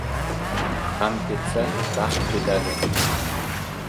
• G‘am ketsa baxt keladi.